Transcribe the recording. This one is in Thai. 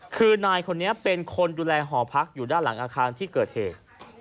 คือนายคนนี้เป็นคนดูแลหอพักอยู่ด้านหลังอาคารที่เกิดเหตุ